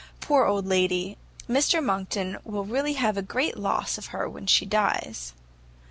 Poor old lady! Mr Monckton will really have a great loss of her when she dies."